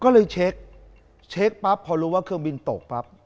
ก็เลยเช็คเช็คปั๊บพอรู้ว่าเครื่องบินตกปั๊บ